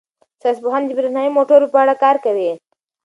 ساینس پوهان د بریښنايي موټرو په اړه کار کوي.